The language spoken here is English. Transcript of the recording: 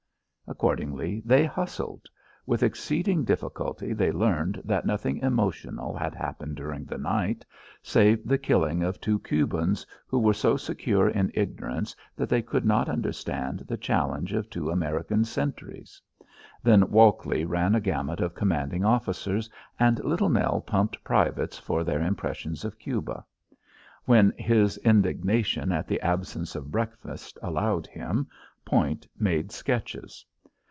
Accordingly they hustled. With exceeding difficulty they learned that nothing emotional had happened during the night, save the killing of two Cubans who were so secure in ignorance that they could not understand the challenge of two American sentries. Then Walkley ran a gamut of commanding officers, and Little Nell pumped privates for their impressions of Cuba. When his indignation at the absence of breakfast allowed him, Point made sketches.